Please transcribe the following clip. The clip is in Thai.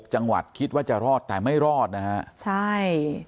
จังหวัดคิดว่าจะรอดแต่ไม่รอดนะฮะใช่